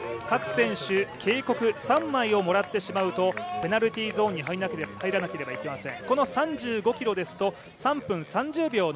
各選手警告３枚をもらってしまうとペナルティーゾーンに入らなければいけません。